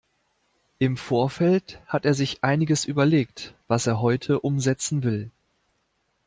Im Vorfeld hat er sich einiges überlegt, was er heute umsetzen will.